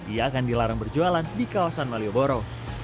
ia akan dilarang berjualan di kawasan malioboro